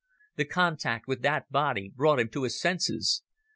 The contact with that body brought him to his senses.